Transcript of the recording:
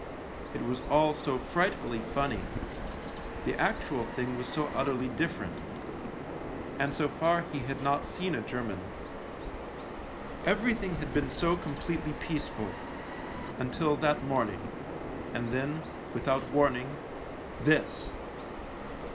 It was all so frightfully funny ; the actual thing was so utterly different. And so far he had not seen a German. Everything had been so completely peaceful — until that morning — and then, without warning — this.